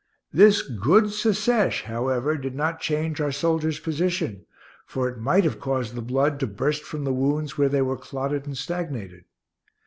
This good Secesh, however, did not change our soldier's position, for it might have caused the blood to burst from the wounds where they were clotted and stagnated.